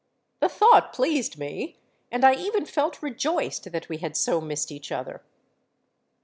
The thought pleased me—and I even felt rejoiced that we had so missed each other.